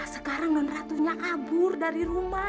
sekarang dan ratunya kabur dari rumah